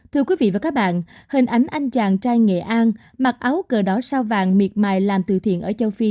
thưa quý vị và các bạn hình ảnh anh chàng trai nghệ an mặc áo cờ đỏ sao vàng miệt mài làm từ thiện ở châu phi